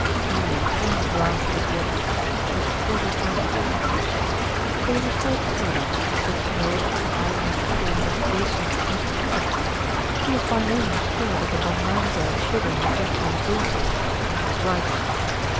He in turn glanced at his watch. It was a quarter past four. There was a short silence, which Nero occupied in a further investigation of Smith's pockets. He was by no means sure that the bonanza of sugar had yet been exhausted, and he was right.